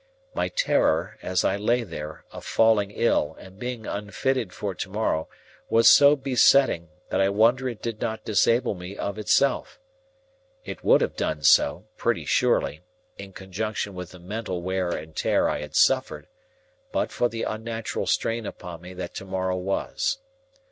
My terror, as I lay there, of falling ill, and being unfitted for to morrow, was so besetting, that I wonder it did not disable me of itself. It would have done so, pretty surely, in conjunction with the mental wear and tear I had suffered, but for the unnatural strain upon me that to morrow was.